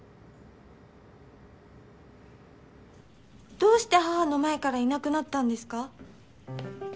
どうして母の前からいなくなったんですか？